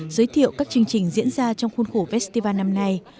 giới thiệu các chương trình diễn ra trong khuôn khổ festival năm nay